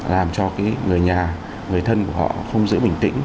làm cho cái người nhà người thân của họ không giữ bình tĩnh